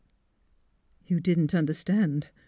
" You didn't understand?